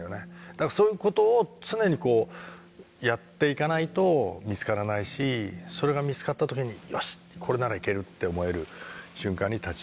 だからそういうことを常にやっていかないと見つからないしそれが見つかった時に「よしこれならいける」って思える瞬間に立ち会える。